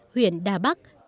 huyện đà bắc